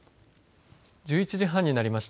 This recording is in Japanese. １１時半になりました。